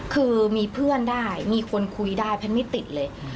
คือมีเพื่อนได้มีคนคุยได้แพทย์ไม่ติดเลย